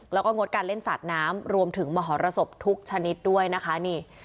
แล้วก็งดการเล่นสาดน้ำรวมถึงมหรสบทุกชนิดด้วยนะคะนี่